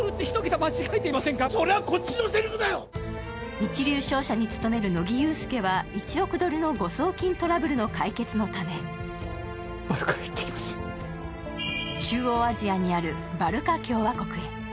一流商社に勤める乃木憂助は１億ドルの誤送金トラブル解決のため中央アジアにあるバルカ共和国へ。